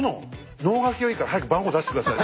能書きはいいから早く番号出して下さい。